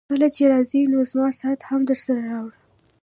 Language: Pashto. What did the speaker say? کله چي راځې نو زما ساعت هم درسره راوړه.